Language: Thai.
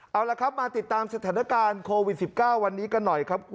เอาละครับมาติดตามสถานการณ์โควิด๑๙วันนี้กันหน่อยครับ